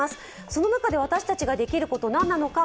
その中で私たちができることはなんなのか。